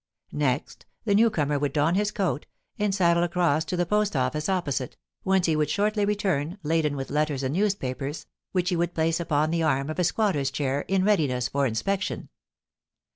Next, the new comer would don his coat, and sidle across to the post office opposite, whence he would shortly return, laden with letters and newspapers, which he would place upon the arm of a squatter^s chair in readiness for inspection.